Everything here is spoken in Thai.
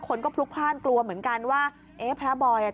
คนก็พลุกพลาดกลัวเหมือนกันว่าเอ๊ะพระบอยอ่ะ